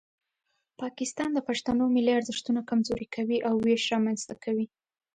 پاکستان د پښتنو ملي ارزښتونه کمزوري کوي او ویش رامنځته کوي.